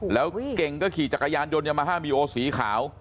เหาะเก่งก็ขี่จักรยานยมห้ามิวสีขาว